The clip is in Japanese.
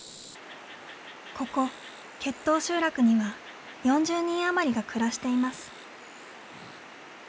ここ結東集落には４０人余りが暮らしています。